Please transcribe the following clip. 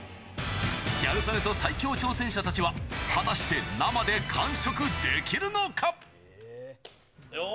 ギャル曽根と最強挑戦者たちは、果たして生で完食できるのか？